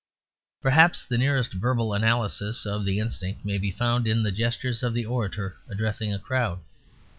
Perhaps the nearest verbal analysis of the instinct may be found in the gestures of the orator addressing a crowd.